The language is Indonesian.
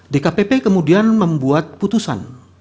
dkpp kemudian membuat putusan